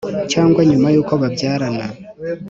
cyangwa nyuma y’uko babyarana.